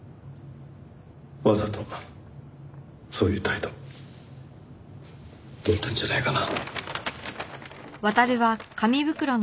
わざとそういう態度取ったんじゃないかな。